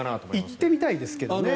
行ってみたいですけどね。